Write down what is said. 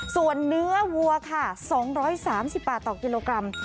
ส่วนเนื้อวัวค่ะ๒๓๐บาทต่อกิโลกรัม